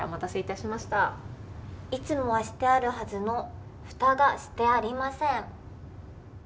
いつもはしてあるはずの蓋が、してありません。